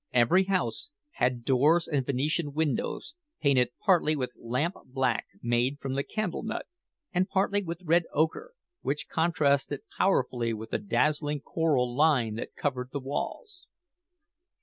Every house had doors and Venetian windows, painted partly with lamp black made from the candle nut, and partly with red ochre, which contrasted powerfully with the dazzling coral lime that covered the walls.